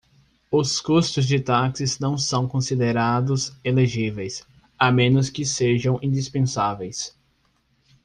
Os custos de táxi não são considerados elegíveis, a menos que sejam indispensáveis.